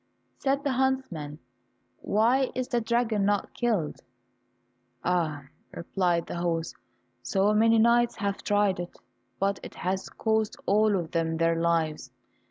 Said the huntsman, "Why is the dragon not killed?" "Ah," replied the host, "so many knights have tried it, but it has cost all of them their lives.